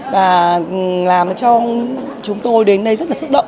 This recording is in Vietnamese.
và làm cho chúng tôi đến đây rất là xúc động